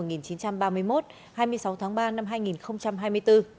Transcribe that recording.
ngày hai mươi sáu tháng ba năm một nghìn chín trăm ba mươi bốn